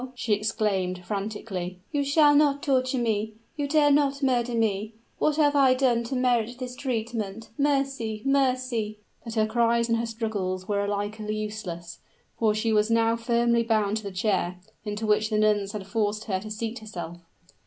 she exclaimed, frantically; "you shall not torture me you dare not murder me! What have I done to merit this treatment! Mercy! mercy!" But her cries and her struggles were alike useless; for she was now firmly bound to the chair, into which the nuns had forced her to seat herself.